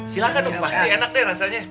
silakan rum pasti enak deh rasanya